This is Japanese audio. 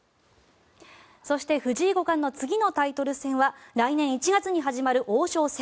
そして藤井五冠の次のタイトル戦は来年１月に始まる王将戦。